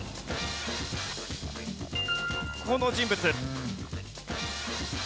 この人物。